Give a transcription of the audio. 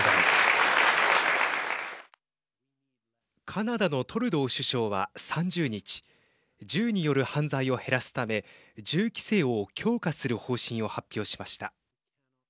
カナダのトルドー首相は３０日銃による犯罪を減らすため銃規制を強化する方針を発表しました。